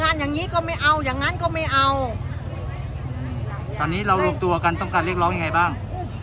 อย่างงี้ก็ไม่เอาอย่างงั้นก็ไม่เอาตอนนี้เรารวมตัวกันต้องการเรียกร้องยังไงบ้าง